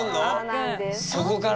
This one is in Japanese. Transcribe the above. そこから？